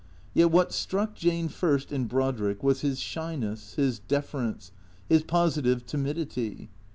Yet what struck Jane first in Brodrick was his shyness, his deference, his positive timidity.